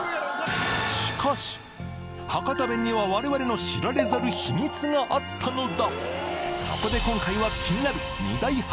博多弁には我々の知られざる秘密があったのだ！